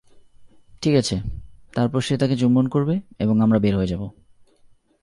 ঠিক আছে, তারপর সে তাকে চুম্বন করবে এবং আমরা বের হয়ে যাবো।